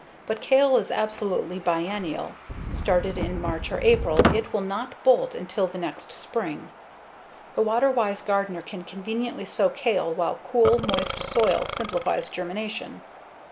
But kale is absolutely biennial started in March or April, it will not bolt until the next spring. The water wise gardener can conveniently sow kale while cool, moist soil simplifies germination.